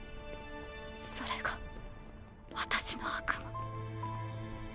それが私の悪魔。